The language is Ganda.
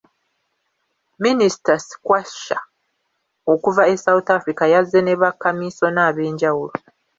Minisita Skwatsha okuva e South Africa yazze ne bakamiisona ab'enjawulo.